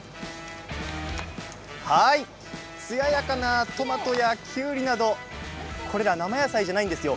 つややかなトマトやきゅうりなどこれが生野菜じゃないですよ。